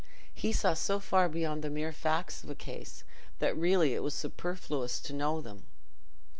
He saw so far beyond the mere facts of a case that really it was superfluous to know them.